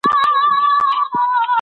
انا په ژمي کې ډېره یخنۍ احساسوله.